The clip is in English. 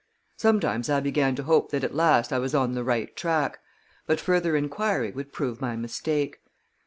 Sometimes I began to hope that at last I was on the right track; but further inquiry would prove my mistake.